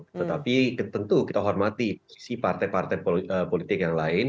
tetapi tentu kita hormati si partai partai politik yang lain